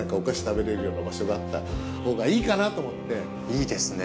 いいですね